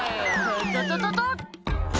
「ととととと！」